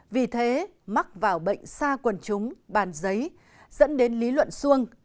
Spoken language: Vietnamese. vì thế mắc vào bệnh xa quần chúng bàn giấy dẫn đến lý luận xuông